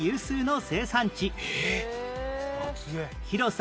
広さ